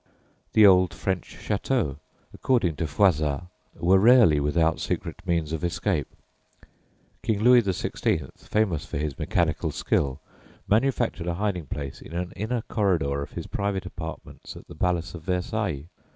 The old French châteaux, according to Froisart, were rarely without secret means of escape. King Louis XVI., famous for his mechanical skill, manufactured a hiding place in an inner corridor of his private apartments at the Palace of Versailles.